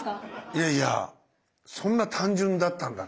いやいやそんな単純だったんだ。